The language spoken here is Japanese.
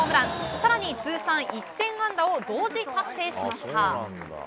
更に通算１０００安打を同時達成しました。